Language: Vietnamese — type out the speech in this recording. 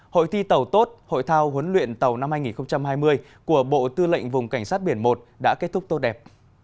hội thi tàu tốt hội thao huấn luyện tàu năm hai nghìn hai mươi của bộ tư lệnh vùng cảnh sát biển một đã kết thúc tốt đẹp